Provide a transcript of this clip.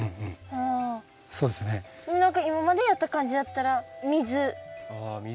何か今までやった感じだったら水。